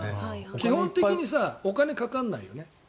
基本的にお金、かからないよね。